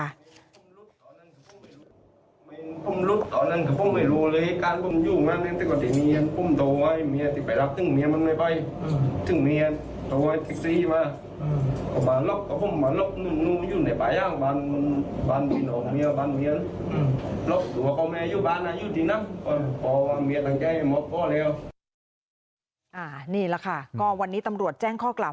นี่แหละค่ะก็วันนี้ตำรวจแจ้งข้อกลับ